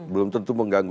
belum tentu mengganggu